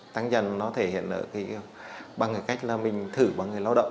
tăng dần nó thể hiện ở cái bằng cái cách là mình thử bằng người lao động